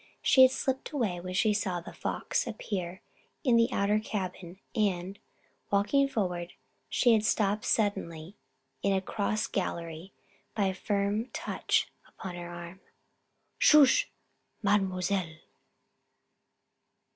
She had slipped away when she saw The Fox appear in the outer cabin and, walking forward, had been stopped suddenly in a cross gallery by a firm touch upon her arm. "Sh! Mademoiselle!"